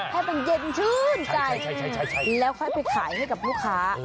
ให้มันเย็นชื่นใจแล้วค่อยไปขายให้กับลูกค้า